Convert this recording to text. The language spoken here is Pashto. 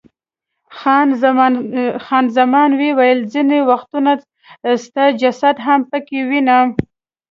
خان زمان وویل، ځیني وختونه ستا جسد هم پکې وینم.